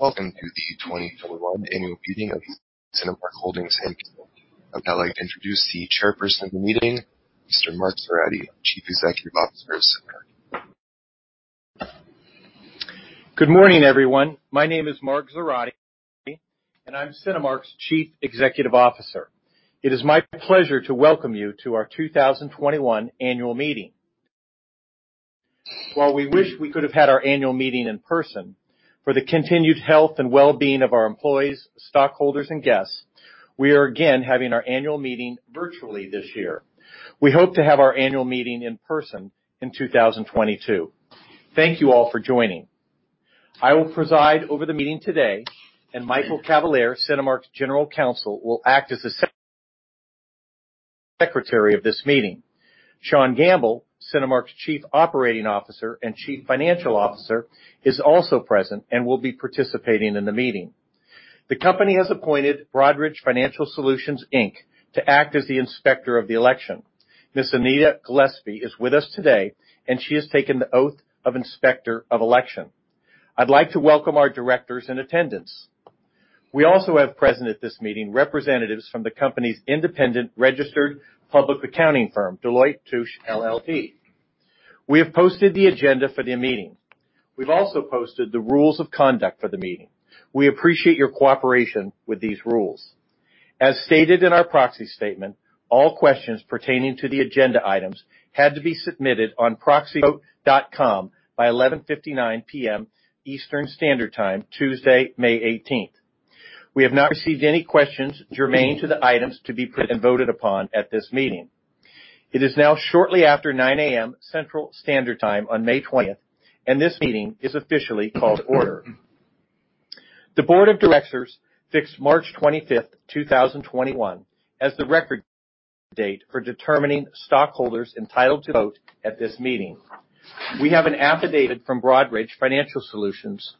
Welcome to the 2021 Annual Meeting of Cinemark Holdings, Inc. I'd like to introduce the Chairperson of the meeting, Mr. Mark Zoradi, Chief Executive Officer of Cinemark. Good morning, everyone. My name is Mark Zoradi, and I'm Cinemark's Chief Executive Officer. It is my pleasure to welcome you to our 2021 Annual Meeting. While we wish we could have had our annual meeting in person, for the continued health and well-being of our employees, stockholders, and guests, we are again having our annual meeting virtually this year. We hope to have our annual meeting in person in 2022. Thank you all for joining. I will preside over the meeting today, and Michael Cavalier, Cinemark's General Counsel, will act as the Secretary of this meeting. Sean Gamble, Cinemark's Chief Operating Officer and Chief Financial Officer, is also present and will be participating in the meeting. The company has appointed Broadridge Financial Solutions, Inc. to act as the Inspector of the election. Ms. Anita Gillespie is with us today, and she has taken the Oath of Inspector of Election. I'd like to welcome our Directors in attendance. We also have present at this meeting, representatives from the company's independent registered public accounting firm, Deloitte & Touche LLP. We have posted the agenda for the meeting. We've also posted the rules of conduct for the meeting. We appreciate your cooperation with these rules. As stated in our proxy statement, all questions pertaining to the agenda items had to be submitted on proxyvote.com by 11:59 P.M. Eastern Standard Time, Tuesday, May 18th. We have not received any questions germane to the items to be presented and voted upon at this meeting. It is now shortly after 9:00 A.M. Central Standard Time on May 20th, and this meeting is officially called to order. The Board of Directors fixed March 25th, 2021, as the record date for determining stockholders entitled to vote at this meeting. We have an affidavit from Broadridge Financial Solutions,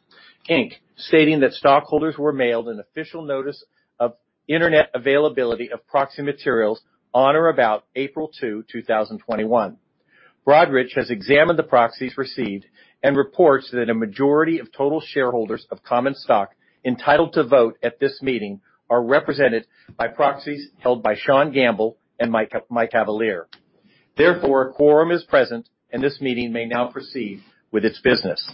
Inc., stating that stockholders were mailed an official notice of Internet availability of proxy materials on or about April 2, 2021. Broadridge has examined the proxies received and reports that a majority of total shareholders of common stock entitled to vote at this meeting are represented by proxies held by Sean Gamble and Michael Cavalier. Therefore, a quorum is present, and this meeting may now proceed with its business.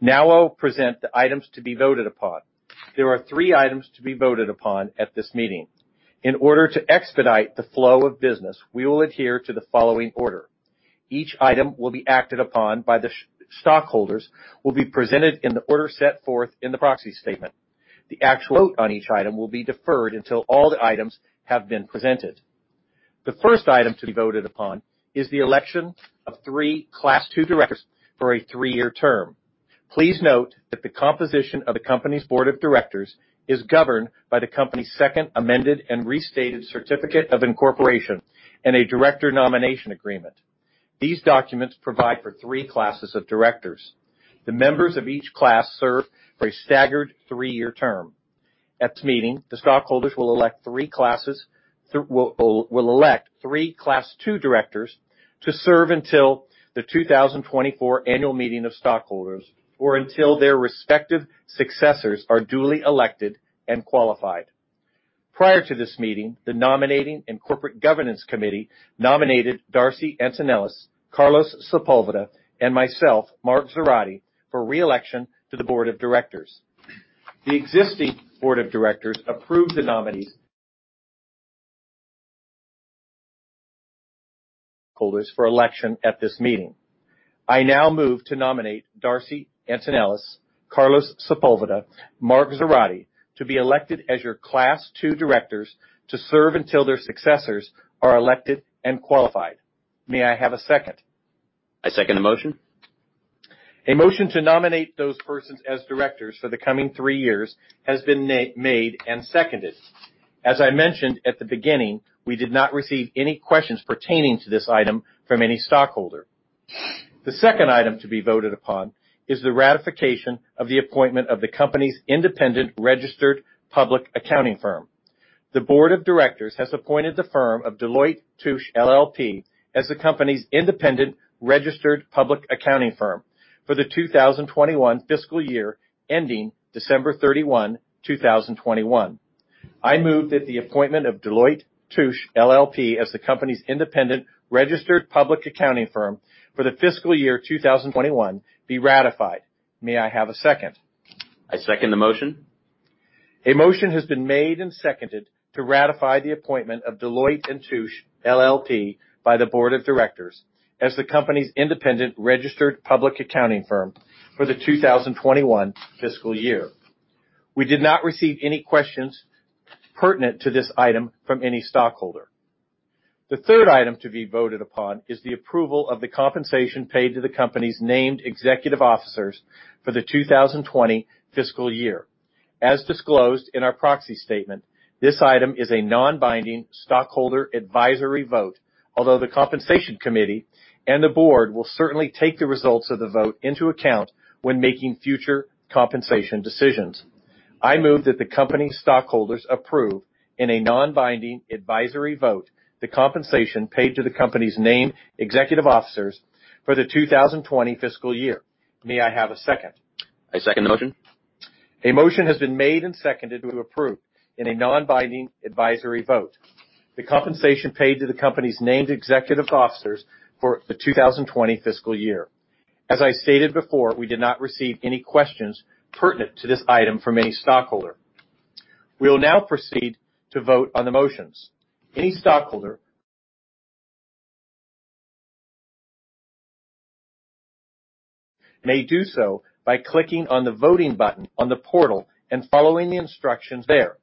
Now I will present the items to be voted upon. There are three items to be voted upon at this meeting. In order to expedite the flow of business, we will adhere to the following order. Each item will be acted upon by the stockholders, will be presented in the order set forth in the proxy statement. The actual vote on each item will be deferred until all the items have been presented. The first item to be voted upon is the election of three Class 2 Directors for a three-year term. Please note that the composition of the company's Board of Directors is governed by the company's Second Amended and Restated Certificate of Incorporation and a Director Nomination Agreement. These documents provide for three classes of directors. The members of each class serve for a staggered three-year term. At this meeting, the stockholders will elect three Class 2 Directors to serve until the 2024 Annual Meeting of Stockholders or until their respective successors are duly elected and qualified. Prior to this meeting, the Nominating and Corporate Governance Committee nominated Darcy Antonellis, Carlos Sepulveda, and myself, Mark Zoradi, for re-election to the Board of Directors. The existing Board of Directors approved the nominees for election at this meeting. I now move to nominate Darcy Antonellis, Carlos Sepulveda, Mark Zoradi, to be elected as your Class 2 Directors to serve until their successors are elected and qualified. May I have a second? I second the motion. A motion to nominate those persons as directors for the coming three years has been made and seconded. As I mentioned at the beginning, we did not receive any questions pertaining to this item from any stockholder. The second item to be voted upon is the ratification of the appointment of the company's independent registered public accounting firm. The Board of Directors has appointed the firm of Deloitte & Touche LLP as the company's independent registered public accounting firm for the 2021 fiscal year ending December 31, 2021. I move that the appointment of Deloitte & Touche LLP as the company's independent registered public accounting firm for the fiscal year 2021 be ratified. May I have a second? I second the motion. A motion has been made and seconded to ratify the appointment of Deloitte & Touche LLP by the Board of Directors as the company's independent registered public accounting firm for the 2021 fiscal year. We did not receive any questions pertinent to this item from any stockholder. The third item to be voted upon is the approval of the compensation paid to the company's named executive officers for the 2020 fiscal year. As disclosed in our proxy statement, this item is a non-binding stockholder advisory vote, although the Compensation Committee and the board will certainly take the results of the vote into account when making future compensation decisions. I move that the company stockholders approve in a non-binding advisory vote the compensation paid to the company's named executive officers for the 2020 fiscal year. May I have a second? I second the motion. A motion has been made and seconded to approve in a non-binding advisory vote the compensation paid to the company's named executive officers for the 2020 fiscal year. As I stated before, we did not receive any questions pertinent to this item from any stockholder. We will now proceed to vote on the motions. Any stockholder [inaudible] may do so by clicking on the voting button on the portal and following the instructions there.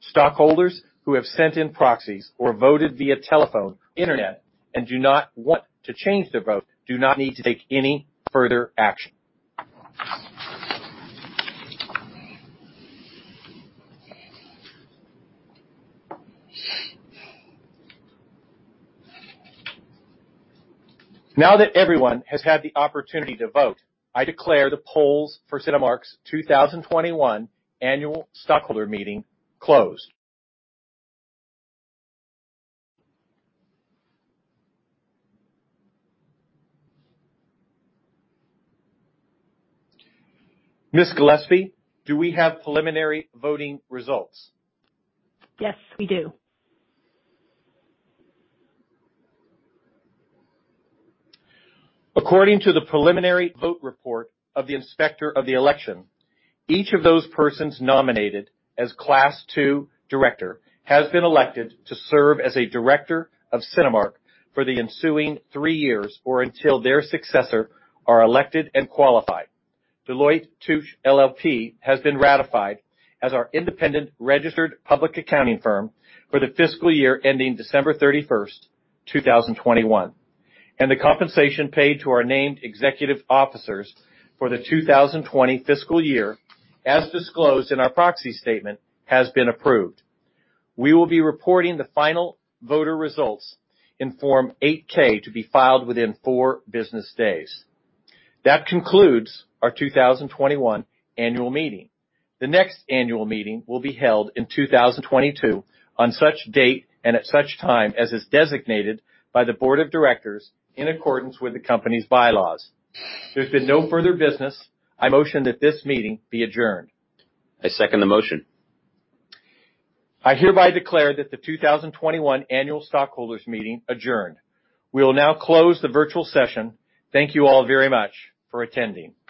Stockholders who have sent in proxies or voted via telephone, internet, and do not want to change their vote, do not need to take any further action. Now that everyone has had the opportunity to vote, I declare the polls for Cinemark's 2021 annual stockholder meeting closed. Ms. Gillespie. Do we have preliminary voting results? Yes, we do. According to the preliminary vote report of the Inspector of the Election, each of those persons nominated as Class II Director has been elected to serve as a Director of Cinemark for the ensuing three years, or until their successor are elected and qualified. Deloitte & Touche LLP has been ratified as our independent registered public accounting firm for the fiscal year ending December 31st, 2021. The compensation paid to our named executive officers for the 2020 fiscal year, as disclosed in our proxy statement, has been approved. We will be reporting the final voter results in Form 8-K to be filed within four business days. That concludes our 2021 annual meeting. The next annual meeting will be held in 2022 on such date and at such time as is designated by the Board of Directors in accordance with the company's bylaws. There's been no further business. I motion that this meeting be adjourned. I second the motion. I hereby declare that the 2021 Annual Stockholders Meeting adjourned. We will now close the virtual session. Thank you all very much for attending.